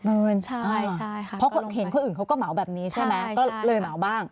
๘๐๐๐๐บาทใช่ค่ะเพราะเห็นคนอื่นเขาก็เหมาแบบนี้ใช่ไหมเลยเหมาบ้าง